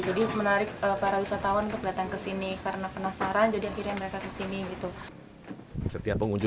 jadi menarik para wisatawan untuk datang ke sini karena penasaran jadi akhirnya mereka ke sini gitu